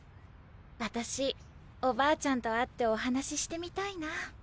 私おばあちゃんと会ってお話ししてみたいな。